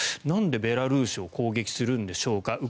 なんでベラルーシを攻撃するんでしょうか。